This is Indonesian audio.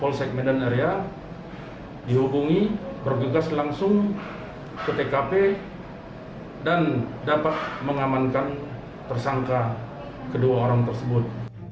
polsek medan area dihubungi bergegas langsung ke tkp dan dapat mengamankan tersangka kedua orang tersebut